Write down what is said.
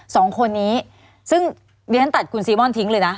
สองคนนี้ซึ่งเรียนตัดคุณซีม่อนทิ้งเลยนะ